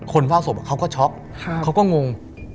คนพาวสมุดอ่ะเขาก็ช็อคเขาก็งง